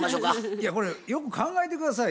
いやこれよく考えて下さいよ。